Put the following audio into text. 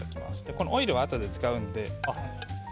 このオイルはあとで使うので。